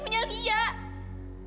ibu kan ibunya lia